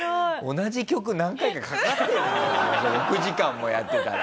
同じ曲何回かかかってるだろ６時間もやってたら。